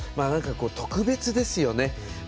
特別ですよね。